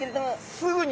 すぐに。